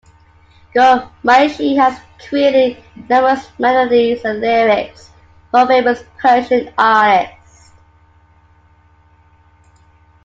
Ghomayshi has created numerous melodies and lyrics for famous Persian artists.